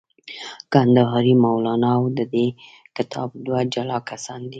کندهاری مولانا او د دې کتاب دوه جلا کسان دي.